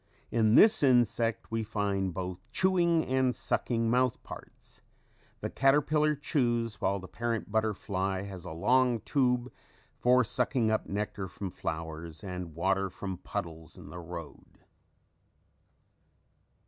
In this insect we find both chewing and sucking mouth parts. The caterpillar chews while the parent butterfly has a long tube for sucking up nectar from flowers and water from puddles in the road.